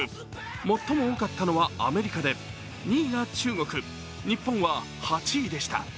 最も多かったのはアメリカで２位が中国、日本は８位でした。